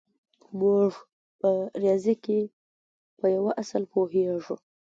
موږ په ریاضي کې په یوه اصل پوهېږو